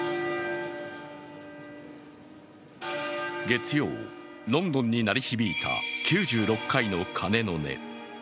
月曜、ロンドンに鳴り響いた９６回の鐘の音。